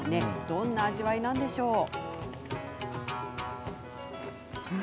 どんな味わいなんでしょうか？